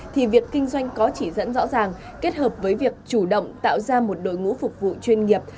thì việc kinh doanh có chỉ dẫn rõ ràng kết hợp với việc chủ động tạo ra một đội ngũ phục vụ chuyên nghiệp